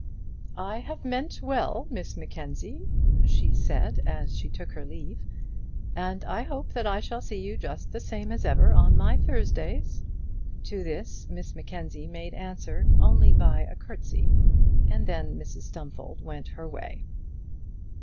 "I have meant well, Miss Mackenzie," she said as she took her leave, "and I hope that I shall see you just the same as ever on my Thursdays." To this Miss Mackenzie made answer only by a curtsey, and then Mrs Stumfold went her way.